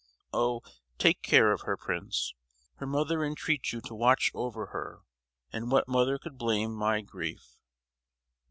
Oh! take care of her, Prince. Her mother entreats you to watch over her. And what mother could blame my grief!"